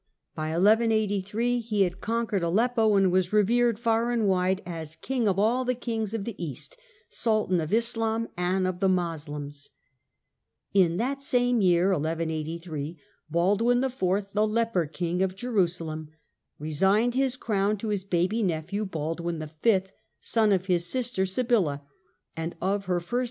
By 1183 he had conquered Aleppo and was revered far and wide as " King of all the kings of the East," " Sultan of Islam and of the Moslems." In that same year, 1183, Baldwin IV., the leper king of Jerusalem, resigned his crown to his baby nephew, Baldwin V. Baldwin V., son of his sister Sibylla and of her first.